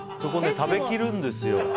ここね、食べきるんですよ。